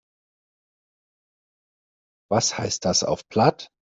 Was heißt das auf Platt?